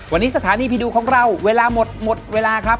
วันนี้สถานีผีดุของเราเวลาหมดหมดเวลาครับ